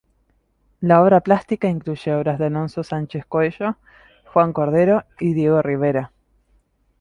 La obra plástica incluye obras de Alonso Sánchez Coello, Juan Cordero y Diego Rivera.